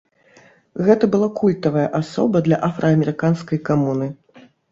Гэта была культавая асоба для афраамерыканскай камуны.